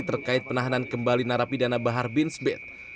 terkait penahanan kembali narapidana bahar bin smith